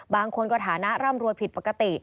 บางคนก็ฐานะร่ำรวยผิดปกติ